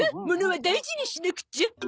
ものは大事にしなくちゃ。